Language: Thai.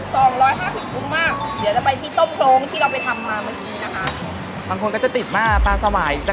สองร้อยห้าพิษกลุ่มมากเดี๋ยวจะไปที่ต้มโครงที่เราไปทำมาเมื่อกี้นะฮะ